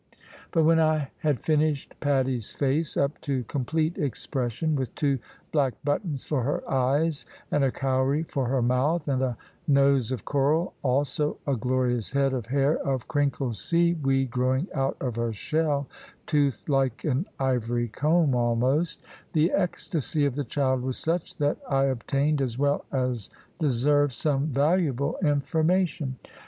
But when I had finished Patty's face up to complete expression, with two black buttons for her eyes, and a cowry for her mouth, and a nose of coral, also a glorious head of hair of crinkled sea weed growing out of a shell (toothed like an ivory comb almost), the ecstasy of the child was such, that I obtained, as well as deserved, some valuable information.